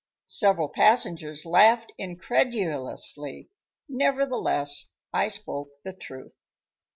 Several passengers laughed incredulously; nevertheless I spoke the truth.